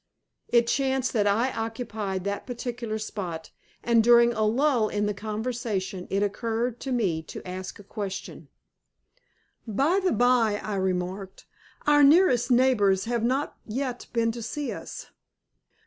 It chanced that I occupied that particular spot, and during a lull in the conversation it occurred to me to ask a question. "By the by," I remarked, "our nearest neighbors have not yet been to see us?"